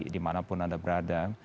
dimanapun anda berada